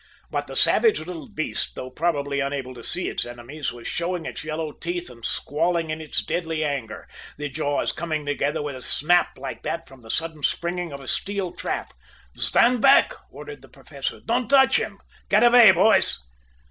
But the savage little beast, though probably unable to see its enemies, was showing its yellow teeth and squalling in its deadly anger, the jaws coming together with a snap like that from the sudden springing of a steel trap. "Stand back!" ordered the Professor. "Don't touch him! Get away, boys!"